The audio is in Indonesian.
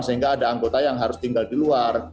sehingga ada anggota yang harus tinggal di luar